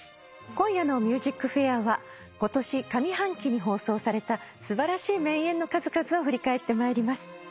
今夜の『ＭＵＳＩＣＦＡＩＲ』は今年上半期に放送された素晴らしい名演の数々を振り返ってまいります。